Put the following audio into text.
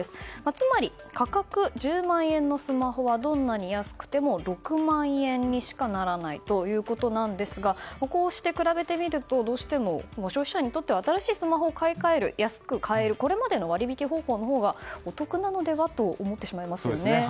つまり、価格１０万円のスマホはどんなに安くても６万円にしかならないということなんですがこうして比べてみるとどうしても消費者にとっては新しいスマホに買い替える安く買えるこれまでの割引方法のほうがお得なのではと思ってしまいますね。